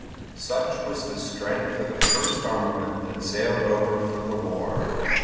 Such was the strength of the first armament that sailed over for the war.